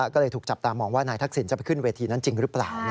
ก็เลยถูกจับตามองว่านายทักษิณจะไปขึ้นเวทีนั้นจริงหรือเปล่า